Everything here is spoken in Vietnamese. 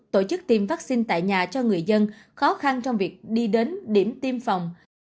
tổ chức tiêm vaccine tại nhà cho người dân khó khăn trong việc đi đến điểm tiêm phòng